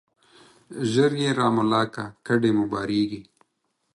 ژر يې را ملا که ، کډي مو بارېږي.